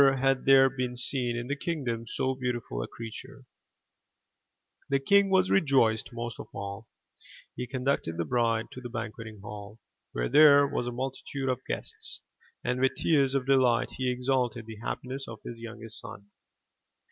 Never had there been seen in the kingdom so beautiful a creature. The king was rejoiced most of all. He conducted the bride to the banqueting hall, where there was a multitude of guests, and with tears of delight he exalted the happiness of his youngest son.